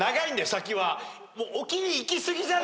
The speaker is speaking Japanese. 先は。